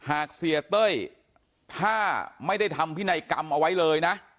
หากเสียเต้ยถ้าไม่ได้ทำพินัยกรรมเอาไว้เลยนะ